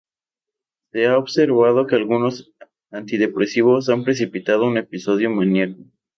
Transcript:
Se ha observado que algunos antidepresivos han precipitado un episodio maníaco.